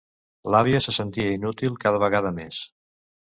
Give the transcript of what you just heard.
L'àvia se sentia inútil, cada vegada més.